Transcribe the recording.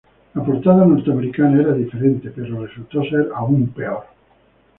La portada norteamericana era diferente, pero resultó ser aún peor.